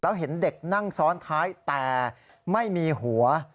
แล้วเห็นเด็กนั่งซ้อนท้ายแต่ไม่มีหัว